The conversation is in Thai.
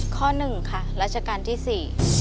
ข้อ๑ค่ะราชการที่๔